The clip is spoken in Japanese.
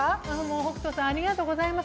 北斗さんありがとうございます。